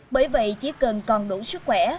bởi vậy chỉ cần còn đủ sức khỏe